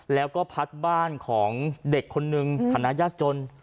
แล้วก็พัดบ้านของเด็กคนนึงฐานะยากจน